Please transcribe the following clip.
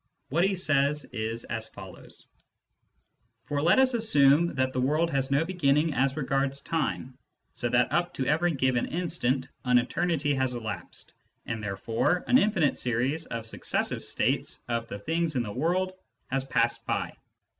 What he says is as follows :" For let us assume that the world has no beginning as regards time, so that up to every given instant an eternity has elapsed, and therefore an infinite series of successive states of the things in the world has passed by.